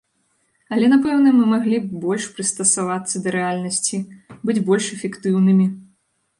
Але, напэўна, мы маглі б больш прыстасавацца да рэальнасці, быць больш эфектыўнымі.